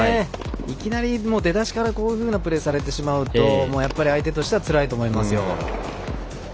いきなり出だしからこういうプレーされると相手としてはつらいと思いますよ。